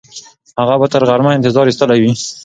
هغه به تر غرمه انتظار ایستلی وي.